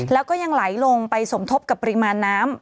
แล้วก็ยังไหลลงไปสมทบกับปริมาณน้ำ